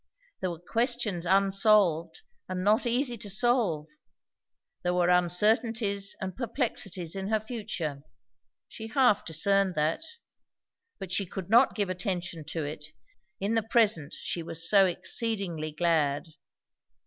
There were questions unsolved and not easy to solve; there were uncertainties and perplexities in her future; she half discerned that; but she could not give attention to it, in the present she was so exceedingly glad.